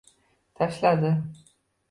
Tashladi.